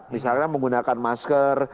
misalnya menggunakan masker